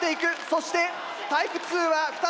そしてタイプ２は２つ取った。